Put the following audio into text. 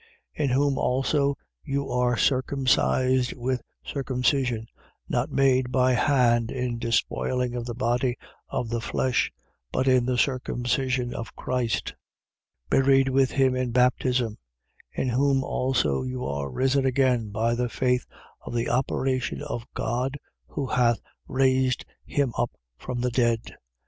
In whom also you are circumcised with circumcision not made by hand in despoiling of the body of the flesh: but in the circumcision of Christ. 2:12. Buried with him in baptism: in whom also you are risen again by the faith of the operation of God who hath raised him up from the dead. 2:13.